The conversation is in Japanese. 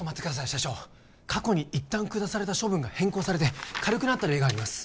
社長過去に一旦下された処分が変更されて軽くなった例があります